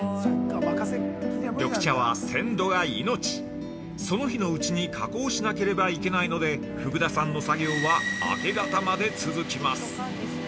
◆緑茶は鮮度が命、その日のうちに加工しなければいけないので福田さんの作業は明け方まで続きます。